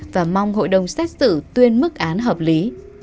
và mong hội đồng xét xử tuyên mức án hợp lý